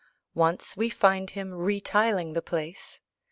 Once we find him re tiling the place.